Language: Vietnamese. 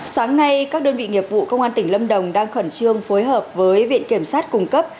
sáng nay các đơn vị nghiệp vụ công an tỉnh lâm đồng đang khẩn trương phối hợp với viện kiểm sát cung cấp